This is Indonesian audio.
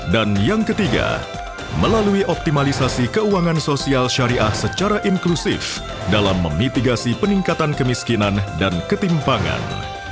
dan yang ketiga melalui optimalisasi keuangan sosial syariah secara inklusif dalam memitigasi peningkatan kemiskinan dan ketimpangan